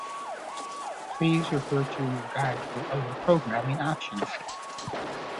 Please refer to your guide for other programming options.